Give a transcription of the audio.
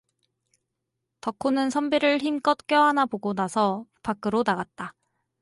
덕호는 선비를 힘껏 껴안아 보고 나서 밖으로 나갔다.